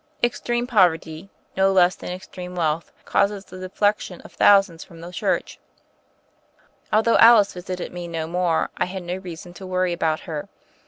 Extreme pov erty, no less than extreme wealth, causes the de flection of thousands from the Church. Although Alice visited me no more I had no reason to worry about her.